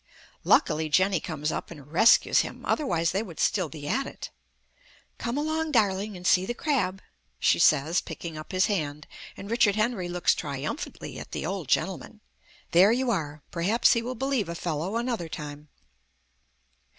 Luckily Jenny comes up and rescues him, otherwise they would still be at it. "Come along, darling, and see the crab," she says, picking up his hand; and Richard Henry looks triumphantly at the old gentleman. There you are. Perhaps he will believe a fellow another time.